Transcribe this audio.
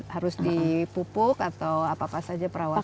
harus dipupuk atau apa apa saja perawatan